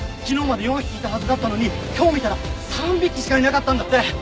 昨日まで４匹いたはずだったのに今日見たら３匹しかいなかったんだって！